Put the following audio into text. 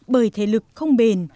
bởi thể lực không bền